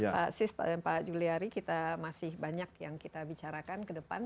pak sis dan pak juliari kita masih banyak yang kita bicarakan ke depan